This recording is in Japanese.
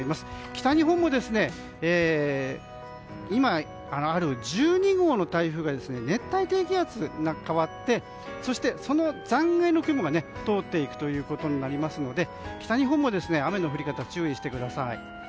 北日本も今、ある１２号の台風が熱帯低気圧に変わってその残骸の雲が通っていくことになりますので北日本も雨の降り方に注意してください。